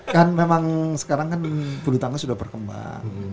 kan memang sekarang kan bulu tangkis sudah berkembang